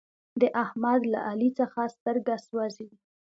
د احمد له علي څخه سترګه سوزي.